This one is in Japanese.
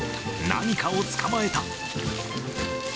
何かを捕まえた。